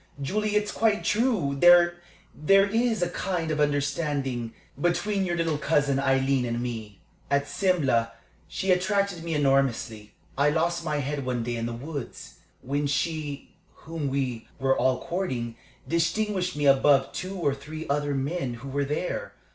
Julie, it's quite true, there is a kind of understanding between your little cousin Aileen and me. At Simla she attracted me enormously. I lost my head one day in the woods, when she whom we were all courting distinguished me above two or three other men who were there.